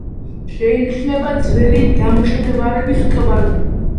შეინიშნება ძველი გამყინვარების კვალი.